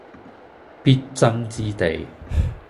必爭之地